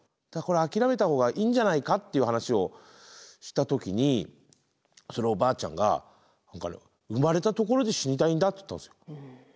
だからこれ諦めた方がいいんじゃないかって話をした時にそのおばあちゃんが「生まれたところで死にたいんだ」って言ったんですよ。